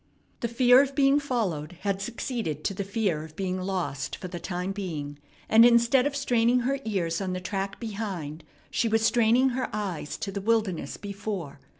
The fear of being followed had succeeded to the fear of being lost, for the time being; and instead of straining her ears on the track behind she was straining her eyes to the wilderness before.